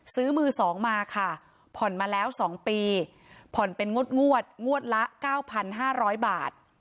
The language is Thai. ซื้อมือสองมาค่ะผ่อนมาแล้วสองปีผ่อนเป็นงวดงวดงวดละเก้าพันห้าร้อยบาท